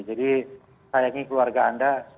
jadi sayangi keluarga anda